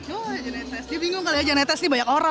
oh jan etes dia bingung kali ya jan etes ini banyak orang